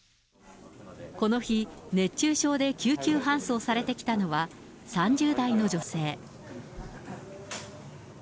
この日、熱中症で救急搬送されてきたのは、３０代の女性。